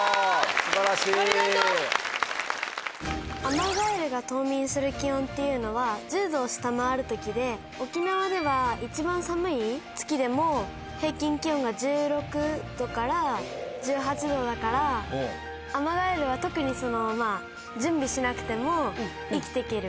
アマガエルが冬眠する気温っていうのは１０℃を下回る時で沖縄では一番寒い月でも平均気温が１６℃から１８℃だからアマガエルは特に準備しなくても生きていける。